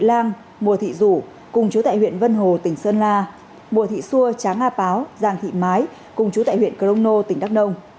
thị lan mùa thị rủ cùng chú tại huyện vân hồ tỉnh sơn la mùa thị xua tráng a páo giàng thị mái cùng chú tại huyện cờ long nô tỉnh đắk nông